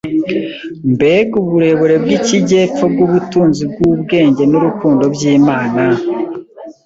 Mbega uburebure bw’ikijyepfo bw’ubutunzi bw’ubwenge n’urukundo by’Imana!